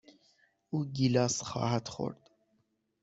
او گیلاس خواهد خورد.